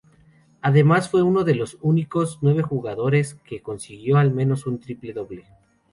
Además fue uno de los únicos nueve jugadores que consiguió al menos un triple-doble.